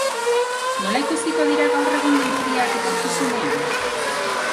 Nola ikusiko dira gaur egungo irudiak etorkizunean?